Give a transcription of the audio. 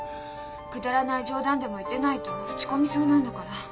くだらない冗談でも言ってないと落ち込みそうなんだから。